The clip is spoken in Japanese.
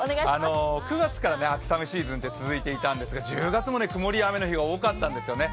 ９月から秋雨シーズンって続いていたんですが、１０月もくもりや雨の日が多かったんですよね。